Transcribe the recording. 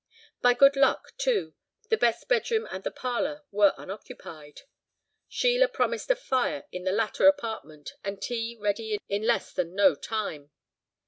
By good luck, too, the best bedroom and the parlour were unoccupied. Sheila promised a fire in the latter apartment and tea ready in less than no time.